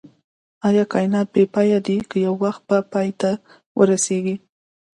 ايا کائنات بی پایه دی که يو وخت به پای ته ورسيږئ